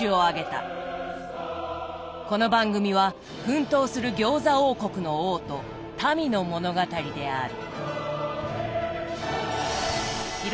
この番組は奮闘する餃子王国の王と民の物語である。